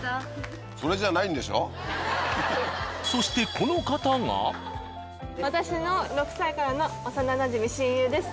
そして私の６歳からの幼なじみ親友です。